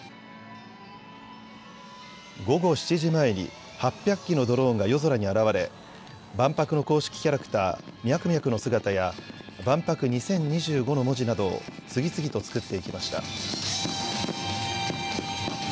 午後７時前に８００機のドローンが夜空に現れ、万博の公式キャラクター、ミャクミャクの姿や万博２０２５の文字などを次々と作っていきました。